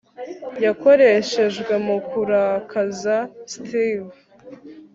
yakoreshejwe mu kurakaza steve